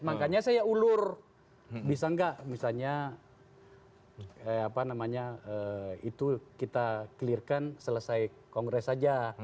makanya saya ulur bisa nggak misalnya apa namanya itu kita clear kan selesai kongres saja